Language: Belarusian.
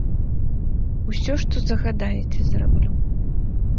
Усё, што загадаеце, зраблю.